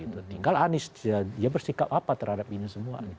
tinggal anis dia bersikap apa terhadap ini semua